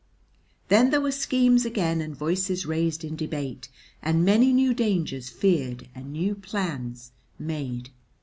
Then there were schemes again and voices raised in debate, and many new dangers feared and new plans made.